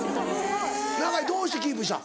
永井どうしてキープした？